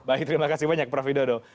baik terima kasih banyak prof widodo